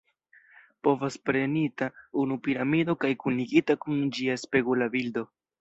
Povas prenita unu piramido kaj kunigita kun ĝia spegula bildo.